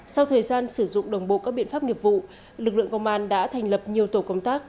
sau thời gian sử dụng đồng bộ các biện pháp nghiệp vụ lực lượng công an đã thành lập nhiều tổ công tác